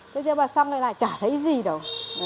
thế nhưng mà xong này lại chả thấy gì đâu